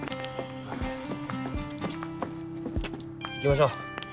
行きましょう。